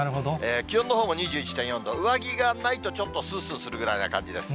気温のほうも２１．４度、上着がないと、ちょっとすうすうするぐらいな感じです。